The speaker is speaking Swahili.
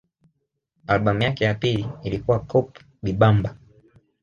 Albamu yake ya pili ilikuwa Coupe Bibamba